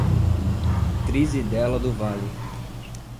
Trizidela do Vale